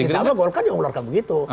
sama golkar juga mengeluarkan begitu